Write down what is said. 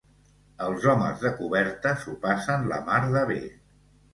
Els homes de coberta s'ho passen la mar de bé.